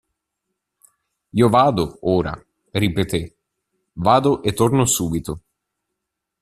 Io vado, ora, – ripetè, – vado e torno subito.